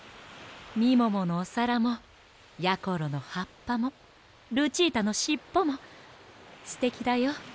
みもものおさらもやころのはっぱもルチータのしっぽもすてきだよ。